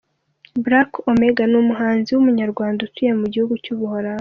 Black Omega ni umuhanzi w’Umunyarwanda utuye mu gihugu cy’ u Buholandi.